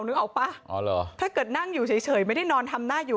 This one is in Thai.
นึกออกป่ะอ๋อเหรอถ้าเกิดนั่งอยู่เฉยไม่ได้นอนทำหน้าอยู่